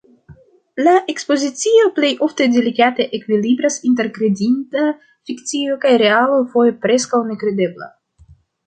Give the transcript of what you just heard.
La ekspozicio plej ofte delikate ekvilibras inter kredinda fikcio kaj realo foje preskaŭ nekredebla.